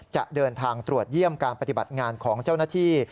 จะเดินทางตรวจเยี่ยมการปฏิบัติงานของเจ้าหน้าที่